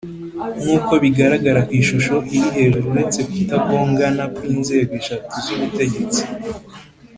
Nk uko bigaragara ku ishusho iri hejuru uretse kutagongana kw inzego eshatu z ubutegetsi